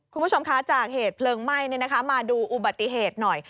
คุณผู้ชมคะจากเหตุเพลิงไหม้มาดูอุบัติเหตุหน่อย